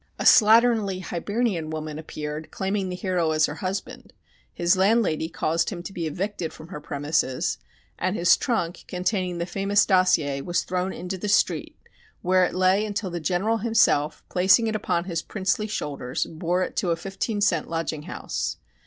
A slatternly Hibernian woman appeared, claiming the hero as her husband; his landlady caused him to be evicted from her premises; and his trunk containing the famous "dossier" was thrown into the street, where it lay until the General himself, placing it upon his princely shoulders, bore it to a fifteen cent lodging house.